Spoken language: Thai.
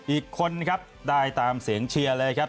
อีกคนครับได้ตามเสียงเชียร์เลยครับ